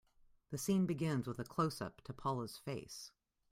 The scene begins with a closeup to Paula's face.